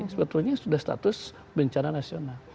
sebetulnya sudah status bencana nasional